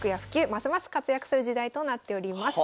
ますます活躍する時代となっております。